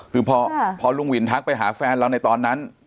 คือพอลุงวินทักไปหาแฟนเราในตอนนั้น